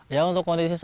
ya untuk kondisi saatnya